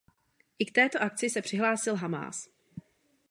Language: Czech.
I k této akci se přihlásil Hamás.